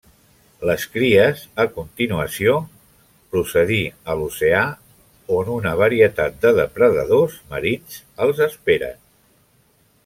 Les cries a continuació, procedir a l'oceà, on una varietat de depredadors marins els esperen.